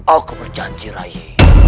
aku berjanji rayi